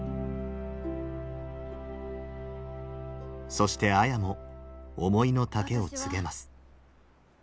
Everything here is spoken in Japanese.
そして綾も思いの丈を告げます。